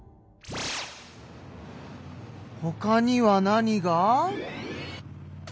ほかには何が。